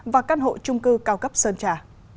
và căn hộ trung cư cao cấp sơn trà